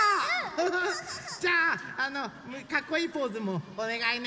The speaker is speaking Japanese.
じゃあかっこいいポーズもおねがいね！